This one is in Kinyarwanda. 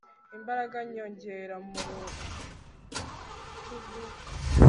imbaraga nyongera mu rutugu